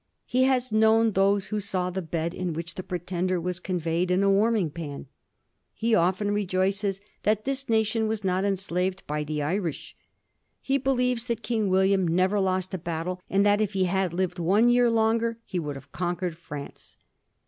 He has known those who saw the bed in which the Pretender was con veyed in a warming pan. He often rejoices that this nation was not enslaved by the Irish. He believes that King William never lost a battle, and that if he had lived one year longer he would have conquered France.